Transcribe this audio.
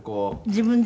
自分で。